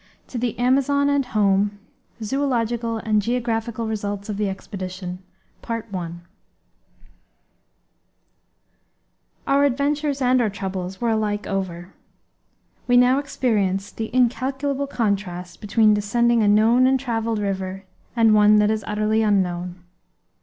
TO THE AMAZON AND HOME; ZOOLOGICAL AND GEOGRAPHICAL RESULTS OF THE EXPEDITION Our adventures and our troubles were alike over. We now experienced the incalculable contrast between descending a known and travelled river, and one that is utterly unknown.